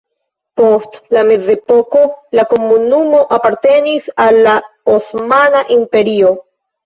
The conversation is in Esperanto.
Post la mezepoko la komunumo apartenis al la Osmana Imperio.